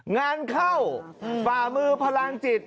งานเข้าฝ่ามือพลังจิต